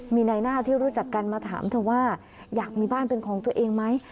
มีนายหน้าที่รู้จักกันมาถามเธอว่าอยากมีบ้านเป็นของตัวเองไหม